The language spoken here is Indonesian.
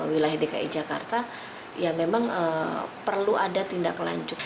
wilayah dki jakarta ya memang perlu ada tindak lanjut